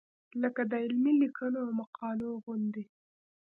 لکه د علمي لیکنو او مقالو غوندې.